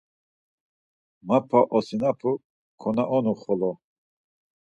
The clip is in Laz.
Mapa osinapu konaonu xolo.